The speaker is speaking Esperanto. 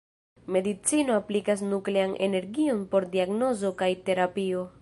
Medicino aplikas nuklean energion por diagnozo kaj terapio.